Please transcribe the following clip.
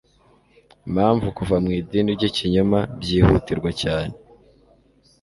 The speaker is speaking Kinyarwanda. impamvu kuva mu idini ry ikinyoma byihutirwa cyane